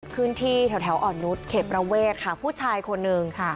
ขึ้นที่แถวอ่อนนุษย์เขตประเวทค่ะผู้ชายคนหนึ่งค่ะ